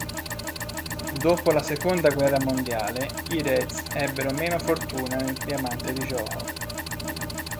Dopo la seconda guerra mondiale i Reds ebbero meno fortuna nel diamante di gioco.